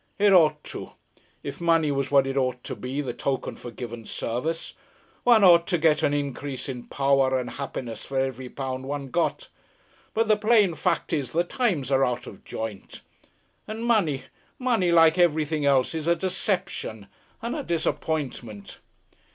It ought to if money was what it ought to be, the token for given service; one ought to get an increase in power and happiness for every pound one got. But the plain fact is the times are out of joint, and money money, like everything else, is a deception and a disappointment."